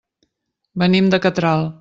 Venim de Catral.